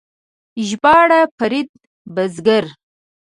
ژباړ: فرید بزګر